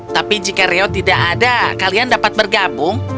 tapi jika reo tidak ada kalian dapat bergabung